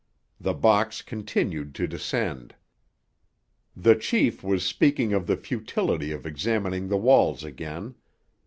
The box continued to descend. The chief was speaking of the futility of examining the walls again.